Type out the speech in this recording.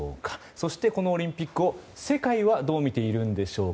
そして、このオリンピックを世界はどう見ているんでしょうか。